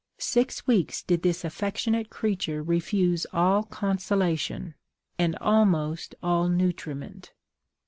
Six weeks did this affectionate creature refuse all consolation, and almost all nutriment.